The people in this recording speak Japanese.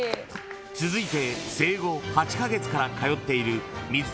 ［続いて］